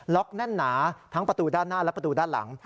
แน่นหนาทั้งประตูด้านหน้าและประตูด้านหลัง